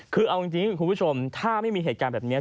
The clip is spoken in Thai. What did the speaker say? คือเอาจริงคุณผู้ชมถ้าไม่มีเหตุการณ์แบบนี้